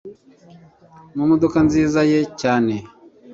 mumodoka nziza ye cyane